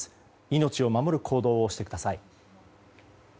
命を守る行動をしてください。